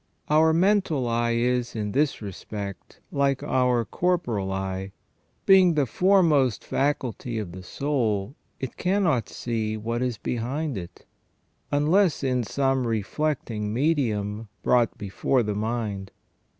Our mental eye is, in this respect, like our corporal eyes ; being the foremost faculty of the soul it cannot see what is behind it, unless in some reflecting medium brought before the mind.